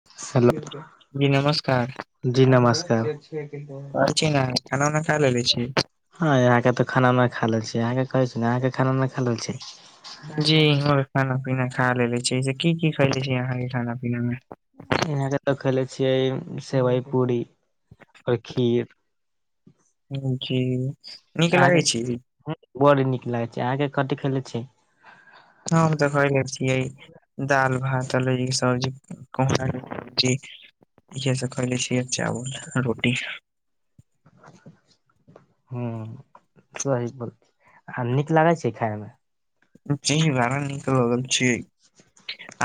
[unintelligible] दी नमस्कार जी नमस्कार [unintelligible] [unintelligible] खाना उाना खाइ ल लै छी हँ यहाँके तऽ खाना नय खा लेल छी यहाँके कहै छै ने अहाँके खाना नहि खा लेल छै जी इं खाना पीना खा लेले छी से की की खैले छै अहाँ के खाना पीना मे यहाँ के तऽ खेले छियै सेवइ पूरी आओर खीर [unintelligible] अहाँके छी बड़ नीक लागे छै अहाँके कती खेले छी हँ हम तऽ खइले छी य दाल भात आ लोई के सबजी [unintelligible] इहे सब कले छिय चावल रोटी [inaudible] ह सही बा आ नीक लागै छै खाय मे [unintelligible] नीक लगल छीयै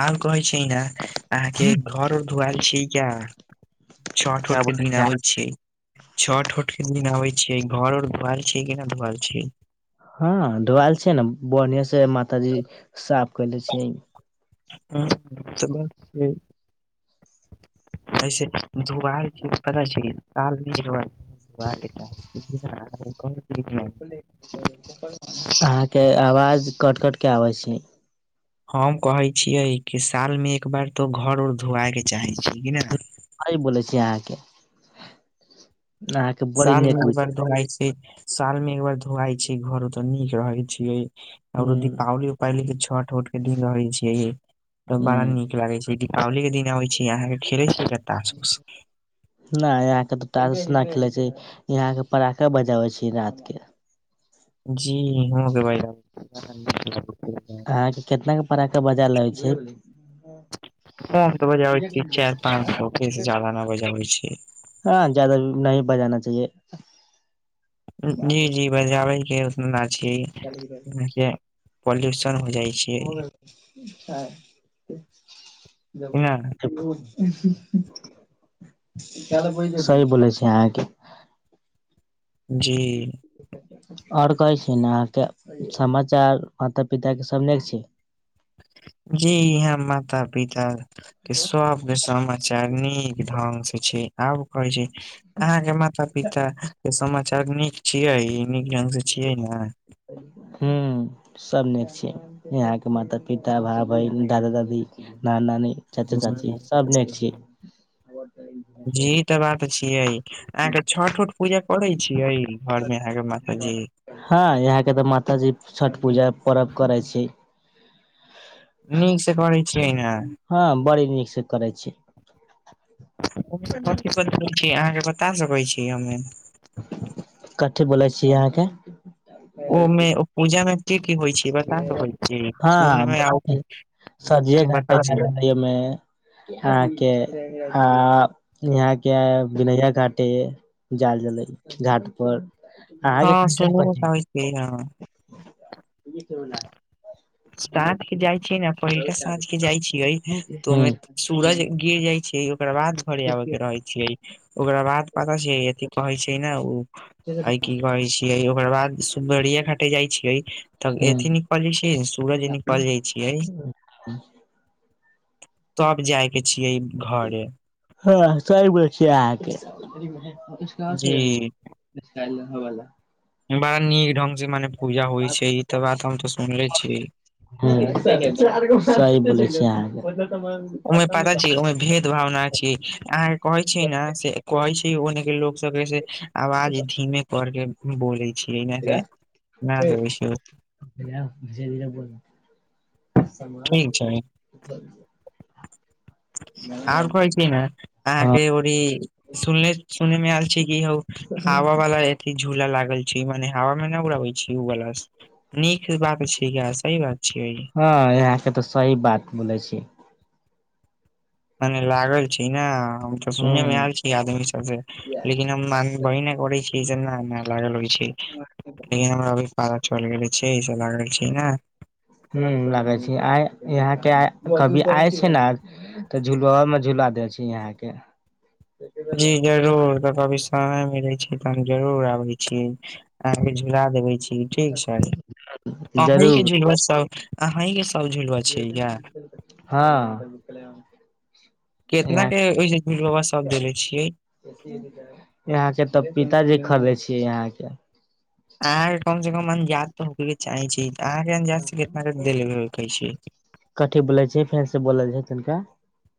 अहा कहै छै ने [unintelligible] अहाँके घरो धुआल छीयै क्या छठ क्या [inaudible] बोल छठ [unintelligible] छीयै घरो धुआल छै की ना धुआल छै हँ धूआल छै ने बढ़िया से मातााजी साफ कले छियै ह [unintelligible] [unintelligible] पता छै कि [unintelligible] वाह बेटा अहाँके आवाज कट कट के आबै छै हम कहै छियै कि साल मे एक बार तो घर घर धोआए के चाहे छी कि नै सही बोलै छी अहाँके [unintelligible] साल मे नेक एक बार धोआइ छै साल मे एक बार धोआइ छै घरो त नीक रहै छियै आओर हूँ दीपावली उपाली के छठ उठ के दिन रहै छियै तऽ बड़ा हूँ नीक लागै छै दीपावली के दिन आबै छै अहाँके खेले छी तास उस नै इहाँके तऽ टाासस नै खेलै छै इहाँके पाराका बजाबै छी रातके जी हो [unintelligible] अटहाँके केतना के पराक बजा लेबै छै हम त बजाबै छीयै चार पाँच सौ के जादा ना बजाबै छीयै हँ जदा नहि बजाना चाहिए जी जी बजाबैके उतना ना छी [unintelligible] पल्युशन हो जाय छै [inaudible] सही न बोलै छघ अहाँके जी आओर कहै छी ने अहाँके समाचार माता पिता के सब नीक छै जी यहाँ माता पिता के सबके समा चार नीक ढंग से छै आब कहै छै अहाँके माता पिता समाचार नीक छियै नीक ढंग से छियै न हुॅं सब नीक छै यहाँके माता पिता भा बहिन दादा दादी नाना नानी चाचा चाची सब नीक छी जी तऽ बात छियै अहाँके छठ उठ पूजा करै छीयै घर मे अहाँके माताजी हँ यहाँ के तऽ माता जी छठ पूजा परव करै छै नीक से करै छियै ने हँ बड़ी नीकसँ करै छी [unintelligible] कथी अहाँके बता सकैत छी हमे कथी बोलै छीयै अहाँके ओमे ओ पूजा मे की की होइ छै ई बता [unintelligible] सुन हँ मे आ बता स एहमे अहके आ यहाँके बनैया घाटी जाल जलै घाट पर हँ सुोनू अहाँके [unintelligible] [unintelligible] साँझ केँ जाइ छियै न पहिलका साँझ केँ जाइ छियै तऽ हुं ओइमें सूरज गिर जाइ छै ओकर बाद घरे आबे कऽ रहै छैै ओकरा बाद पता छै अथी कहै छै न ओ [unintelligible] ह की कहै छियै ओकर बाद सुगरिया घाटे जाय छियै तऽ हुं एथि नै कलै छै सूरज निकल जाइ छियै [unintelligible] [inaudible] तब जाइकेँ छियै घरे हँ सही बोलय छियै जी [unintelligible] [unintelligible] बड़ा नीक ढंग से मने पूजा होइ छै ई त बात हम तो सुनले छियै [unintelligible] ओ में पाता छी ओइ में भेद भावना छी अहाँ कऽ कहै छियै न से कहै छी ओने केँ लोक सब कहै आवाज धीमे कर केँ बोलै छियै [unintelligible] [unintelligible] [unintelligible] [inaudible] और कहै छी न हँ अहाँकेँ ओ ई सुनने सुुने में ऐल छी कि ह हावा वला झूला लागल छै मने हवा में न उड़ाबे छी उ गला नीक बात छै सही बात छियैै हँ यहाँकेँ तऽ सही बात बोलै छी मने लागल छी ने हम तऽ सुने हुं में ऐल छी आदमी सब से लेकिन हम मांगवे नै करै छियै जे ना ना लाग लगई छै [inaudible] नै हमरा अभी पारा चल गेले छ ई सब लागल छै ने [unintelligible] आइ यहाँकेँ आ कभी आय छै न तऽ झुलवा में झूला दे छै यहाँ केँ जी जरूर तऽ कभी समय मिलै छै तऽ हम जरूर आबै छी अहाँकेँ झुला देबे छियै ठीक छै [inaudible] अहीं केँ जरूर झुलवा अहीं सब झुलवा छै या [unintelligible] केतना यहाँ केँ ओजेह [unintelligible] सब देले छियै [unintelligible] यहाँकेँ तऽ पिताजी खरीदे छियै यहाँ केँ अहाँकेँ कम से कम अंदाज तऽ हो के चाहे छै अहाँ के अंदाज से कितना देलै छै कतै बोलै छै फेन से बोल जाइ तनिका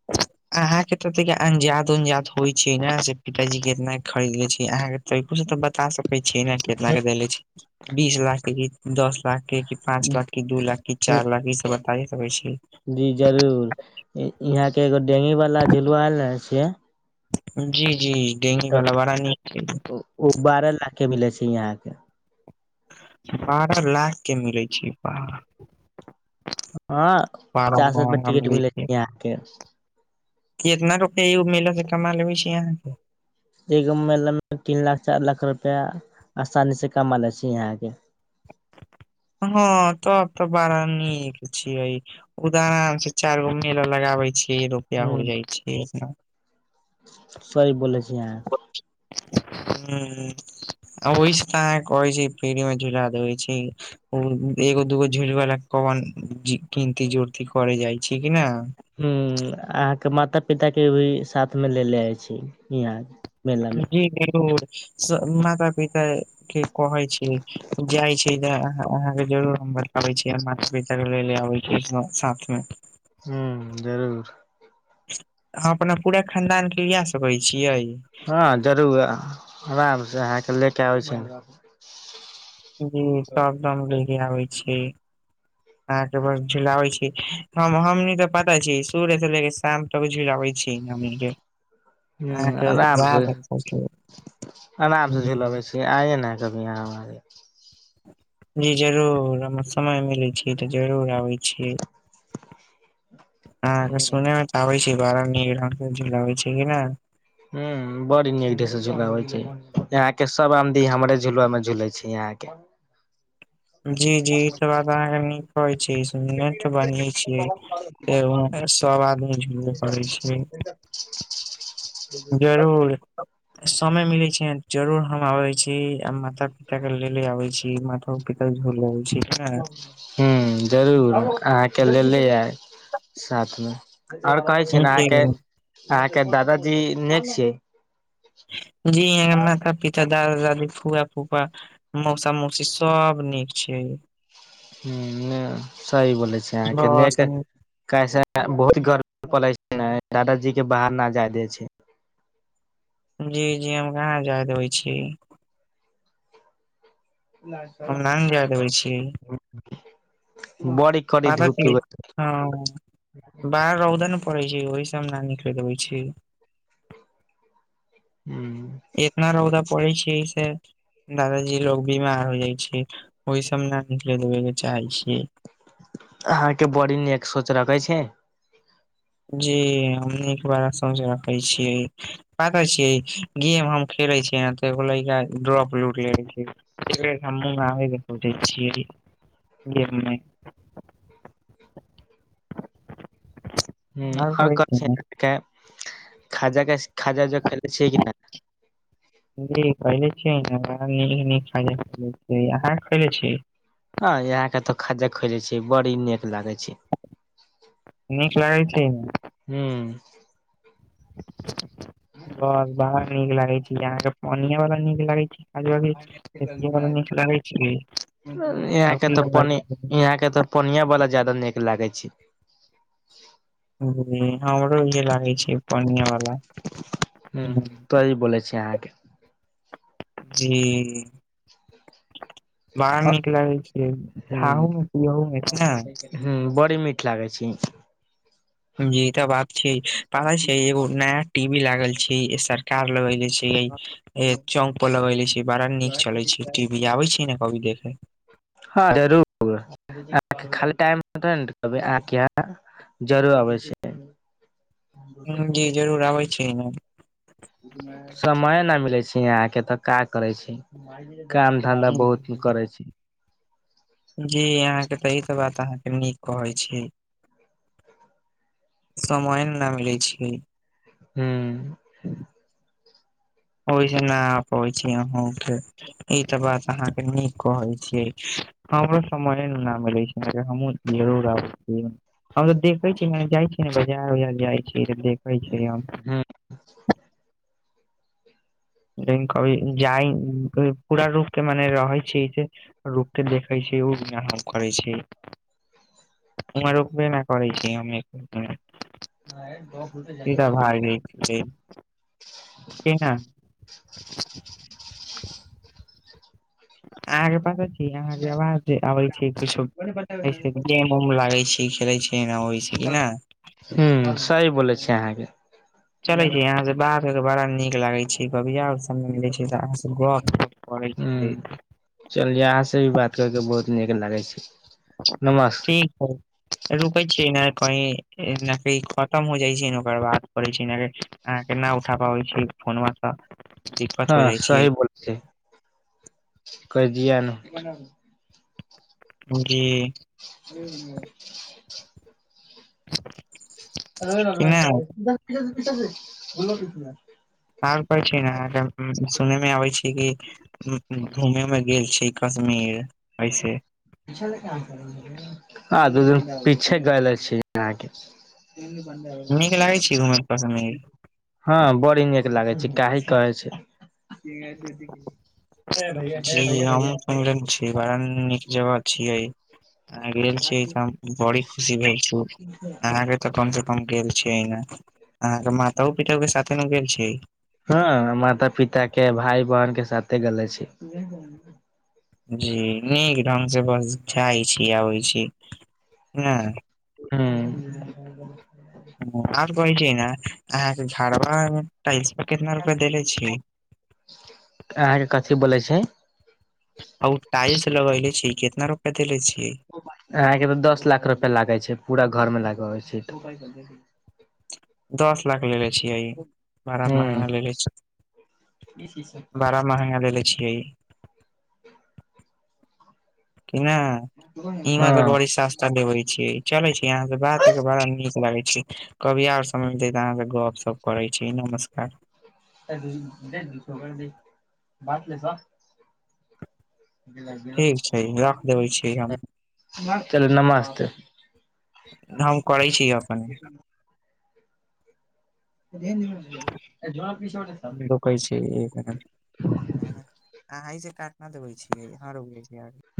[unintelligible] अहाँ केँ तऽ ओते केँ अंजाद उंजाद होई छै न से पिताजी केतना खरीदले छै अहा के तो से बता सकै छियै न कितना केँ देलै छी बीस लाख की दस लाख केँ की पाँच लाख की दू लाख की चार लाख ई सब बताय सकै छी जी जरूर यहाँकेँ एगो डेंगी वाला झलुआ आयल ने छे जी जी [unintelligible] ओ बारह लाख केँ मिले छै यहााँ केँ बारह लाख केँ मिलै छै बाप हँ पचास रुपआ महंगा टिकट मिलै मिलैत छै यहाँ केँ इतना रुपआ एगो मेला से कमा लेै छी अहाँ केँ एगो महिना मे तीन लाख चार लाख रुपआ आसानी से कमा ले छी आहा के हँ तब त बड़ा नीक छी ओहिए उदार से चार गो मेला लगाबे छियै रुपआ उड़ ह जाइ छी सहि बोलै छी आहँ [unintelligible] ह ओहिसँ तऽ अहाँ कहै छै पेढ़ी मे झूला देै छै ओ एगो दूगो झुलावलाा कमन कनती जोड़ती कर जाइ छै कि ने ह अहाँके माता पिता के भी साथ मे ले ले जाइ छी यहा जी जरर माता पिित के कहै छै जाइ छै अहाँ के जरूर हम बताबै छीै माता पिता के ले ले आबे छी साथ मे हू जरूर हम अपना पूरा खानदान के इ सकै छियै हँ जरूर आराम से अहके ले के आबै छै जी सबदम ले के आबै छी अहाँके बस झुलाबै छी हम हमनी तऽ पता छी सूर्यसँ ले के शाम किछु लबै छी ह अहाँके आराम से याद है। आराम से हम्म, झूलबे छै से आइए न कभी यहाँ हमारे जी जरूर हम समय मिलै छ तऽ जरूर आबै छीियै ह सुनेमे तऽ आबै छै बबै छै कि ने ह बड़ी नीक देस झुकाबै छै यहााँ के सब आदमी हमरे झुुला में झूले छै आहा के जी जी ई बात कह छी बनी छी व सब आदमी झुे लव पड़ै छै ह जरूर समय मिले छै जरूर हम आबे छी आ माता पिता के ले ले आबे छी म ह पिताी भ लगै ह जरूर अहाँके लेले आयब साथमे आओर कहै छीिय ने जी अहाँके अहाँके दादाजी नय छयै जी य माता पितता दादा दादी फुआ फू मौसा मौसी सब नीक छै ह सही बोले छ अहाँके ने बस कैसे बहुत गर्मी पड़े छै ने दादाजी के बाहर न जाय दे छै जी जी हम कहाँ जाय दे होै छी हम नाय जाय देबै छीियै बड़ी कड़ी पाद धूप उगै हँ बाह रौदान पढैछिओहि से हमनहिनिकलैत छीय हू इतना रौदा पड़ै छै से दादाजी लोग बीमार हो जाइ छै ओहि सब न निकले देबे के चाहे छियै अहाँके बड़ी न एक सोच रखे छि जी हम बार सझ रखै छीियै बात छिये गेम हम खेले छियै ने त ड्रॉप लूट ले [unintelligible] छिय [unintelligible] ह और आर कुछ कह ना छै खाजा खाजा ज खे छियै कि नै [inaudible] जी खैले छीयै नीक नीक खा अहाँ खले छी ह यहा के तो ख खैले छी बड़ी नीक लागे छै नीक लागै छै हुॅं बस बरा नीक लागै छै अहाँके पनिया बाला नीक लागै छै खाजा की एथिये वाला नीक लागै छै और इहाँके की तऽ लागै पनी छै? इहाँके तऽ पनिया बाला जदा नीक लागे छै ह हमरो नीक लागे छै पनिया ब ह तो ई ब छीये अहाँके जी बाहर नीक लागै छैय खाहू मे पियहु मे छै ने हुॅं बड़ी मीठ लागै छी जी ई तऽ बात छै पता छै एगो नया टीवी लागल छै जी सरकार लगे छै चौंक लगले छै बड़ा नीक चले छै टि कभी आबै छीयै ने कभी देखे हँ जरुर खाली टाइम [unintelligible] जरूर अबै छीयै ह जी जरूर आबै छीयै न समये न मिलै छै यहाँ के तऽ का करै छै काम धंधा बहुत [unintelligible] हम्म, करै छै जी अहाँके त ई त बात अहाँके नीक कहै छी समय ने नह मिलै छै हूँ ओहिसँ न आ पबै छी ई तऽ बात अहाँके नीक कहै छियै हमरो समयये ना मीलै छै हमहु जरुर आबतीयै हम तऽ देखै छी मने जाइ छी ने बाजार उजार जाइ छी तऽ देख छी हम हुॅं लेकिन क जाइ पूरा रूप के मने रहै छी से रुककेे देखै छै उमे हाम करै छै उमर रुकबे नै करै छी हम एक [unintelligible] [inaudible] सीधा भागै छी कि ना अहाँके पता छै अहाँके आवाज आबै छै किछो ऐसे गेम उम लागै छै खेले छी ओहि छी ना हुॅं सही बोलै छी अहाँके चलै छी यहाँ से बात करके बड़ा नीक लागै छै कभी आव हम मीलै छै अहाँ गप करै छ [unintelligible] चल यहाँ से भी बात कर के बहुत नीक लागै छै नमस्ते ठीक है रुकै छी नहि कहीं नाकी खतम हो जाइ छै न ओकार बाद करै छी न अहाँ के न उठा पाबै छी फोनमा तऽ दिक्कत हो हाँ जाइ सही छै बोल छे केह दिया गे [unintelligible] कि नहि [unintelligible] आओर कहै छी ने अहाँक सुनै मे आबै छी कि उँ-उँ घूमे मे गेल छी कश्मीर ऐसे हाँ त पीछे गैले छी अहाँके नीक लागै छै घूमे कश्मीर [unintelligible] हाँ बड़ी नीक लागे छै काहे कहै छै जी हमहूँ सुन रहल छियै बड़ा नीक जगह छियै आ गेल छियै तऽ बड़ी खुशी भेल छै अहाँके तऽ कम से कम गेल छियै न अहाँके मातो पिता के साथ न गेल छियै हाँ माता पिता के भाइ बहिन के साथे गेले छी जी नीक ढंग से बस जाइ छी आबै छी न हूँ हाँ आओर कहै छी न अहाँके झाड़वाड़मे टाइल्समे कितना रूपया देले छियै अहाँके कथि बोलै छे आ ओ टाइल्स लगैले छियै कितना रुपया देेले छियै अहाँ के तऽ दस लाख रुपया लागै छै पूरा घर मे लगाबै छै तऽ दस लाख लेलेे छियै बड़ा हूँ महँगा लेलेे छियै [unintelligible] बड़ा महंगा लेले छियै [inaudible] की ना ई हँ मतलब बड़ी सास तब अबै छियै चलै छी अहाँ से बात करके बड़ा नीक लागे छियै कभी आओर समय मिलतै अहाँ से गप सप करै छी नमस्कार [unintelligible] ठीक छै रख देवे छी हम चल नमस्ते हम करै छी अपन [unintelligible] कैसे एक हजार अहाँ से काटना देबे छियै